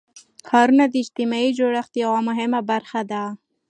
ښارونه د اجتماعي جوړښت یوه مهمه برخه ده.